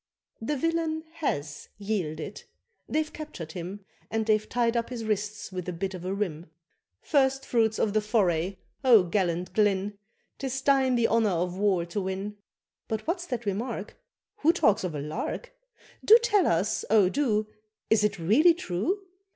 The villian has yielded they've captured him, And they've tied up his wrists with a bit of a reim First fruits of the foray! oh, gallant Glynn, 'Tis thine the honour of war to win. But what's that remark? Who talks of a lark? Do tell us, oh do, Is it really true?